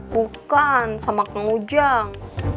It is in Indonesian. bukan sama kang ujang